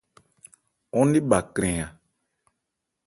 Ɔ́n ne bha krɛn a.